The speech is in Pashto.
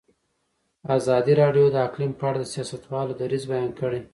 ازادي راډیو د اقلیم په اړه د سیاستوالو دریځ بیان کړی.